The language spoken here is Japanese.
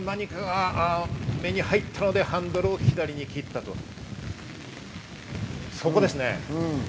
目に入ったのでハンドルを左に切ったと、そこですね。